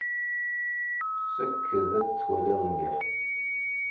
Sekked ad twaliḍ mliḥ!